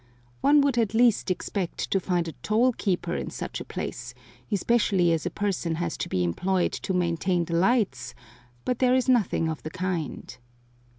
One would at least expect to find a toll keeper in such a place, especially as a person has to be employed to maintain the lights, but there is nothing of the kind.